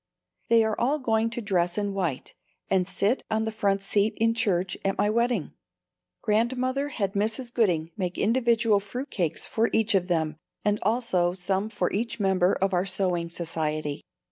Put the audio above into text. They are all going to dress in white and sit on the front seat in church at my wedding. Grandmother had Mrs. Gooding make individual fruit cakes for each of them and also some for each member of our sewing society.